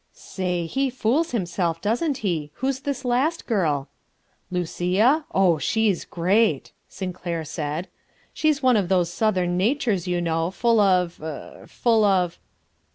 "Say, he fools himself, doesn't he? Who's this last girl?" "Lucia? Oh, she's great!" Sinclair said. "She's one of those Southern natures, you know, full of er full of...."